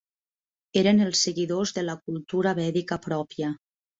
Eren els seguidors de la cultura vèdica pròpia.